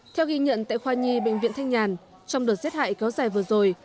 theo ghi nhận tại khoa nhi bệnh viện thanh nhàn trong đợt giết hại kéo dài vừa rồi